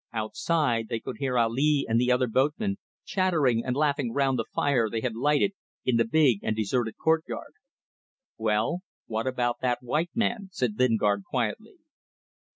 Outside, they could hear Ali and the other boatmen chattering and laughing round the fire they had lighted in the big and deserted courtyard. "Well, what about that white man?" said Lingard, quietly.